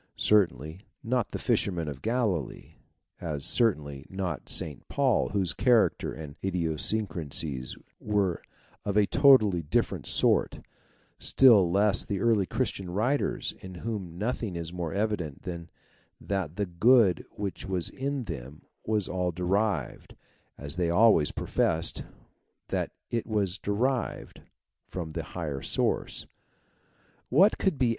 Certainly not the fishermen of Galilee ; as certainly not St. Paul, whose character and idiosyncrasies were of a totally different sort ; still less the early Christian writers in whom nothing is more evident than that the good which was in them was all derived, as they always professed that it was derived, from the higher source. "What could be